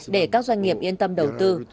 để các doanh nghiệp yên tâm đầu tư